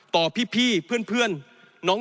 ต่อพี่พี่เพื่อน